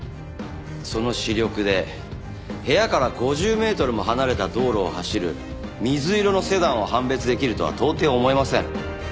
その視力で部屋から５０メートルも離れた道路を走る水色のセダンを判別できるとは到底思えません。